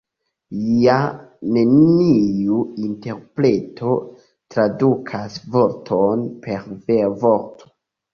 Ja neniu interpreto tradukas vorton per vorto.